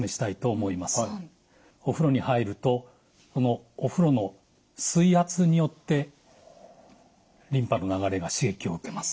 お風呂に入るとこのお風呂の水圧によってリンパの流れが刺激を受けます。